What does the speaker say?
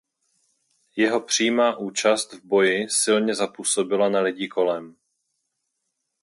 Jeho přímá účast v boji silně zapůsobila na lidi kolem.